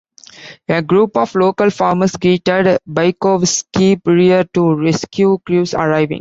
A group of local farmers greeted Bykovsky prior to rescue crews arriving.